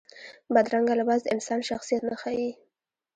بدرنګه لباس د انسان شخصیت نه ښيي